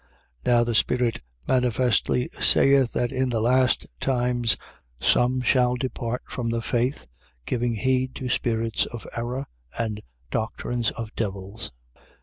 4:1. Now the Spirit manifestly saith that in the last times some shall depart from the faith, giving heed to spirits of error and doctrines of devils, 4:2.